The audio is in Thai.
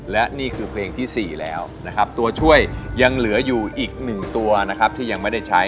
และนี่คือเพลงที่๔แล้วนะครับตัวช่วยยังเหลืออยู่อีก๑ตัวนะครับที่ยังไม่ได้ใช้